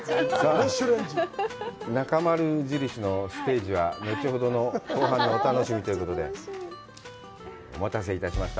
なかまる印のステージは後ほど後半のお楽しみということで、お待たせいたしました。